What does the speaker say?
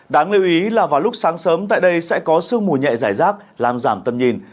đáng lưu ý là vào lúc sáng sớm tại đây sẽ có sương mù nhẹ giải rác làm giảm tầm nhìn